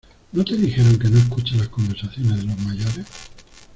¿ no te dijeron que no escuches las conversaciones de los mayores?